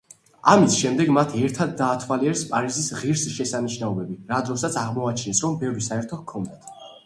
ამის შემდეგ მათ ერთად დაათვალიერეს პარიზის ღირსშესანიშნაობები, რა დროსაც აღმოაჩინეს, რომ ბევრი საერთო ჰქონდათ.